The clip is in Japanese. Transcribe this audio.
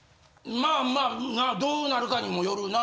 まあまあどうなるかにもよるな。